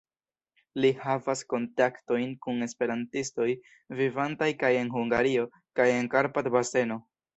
Li havas kontaktojn kun esperantistoj, vivantaj kaj en Hungario, kaj en Karpat-baseno.